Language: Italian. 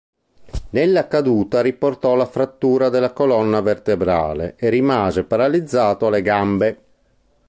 Nella caduta riportò la frattura della colonna vertebrale e rimase paralizzato alle gambe.